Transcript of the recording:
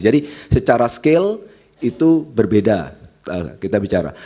secara scale itu berbeda kita bicara